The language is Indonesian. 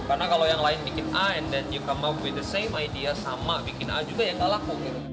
karena kalau yang lain bikin a and then you come up with the same idea sama bikin a juga ya nggak laku gitu